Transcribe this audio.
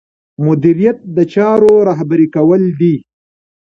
مدیریت د چارو رهبري کول دي.